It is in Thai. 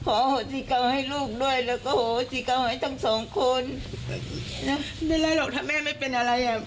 โอเคลง